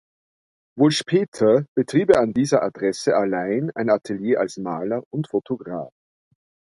Wohl später betrieb er an dieser Adresse allein ein Atelier als Maler und Photograph.